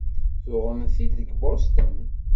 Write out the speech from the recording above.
Tuɣem-t-id deg Boston?